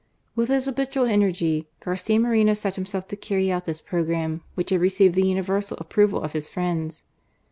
With his habitual energy, Garcia Moreno set himself to carry out this programme, which had received the universal approval of his friends.